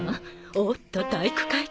おっと体育会系？